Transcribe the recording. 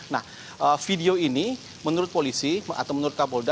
nah video ini menurut polisi atau menurut kapolda